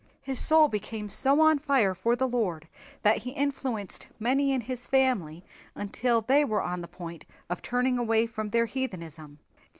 His soul became so on fire for the Lord that he influenced many in his family until they were on the point of turning away from their heathenism.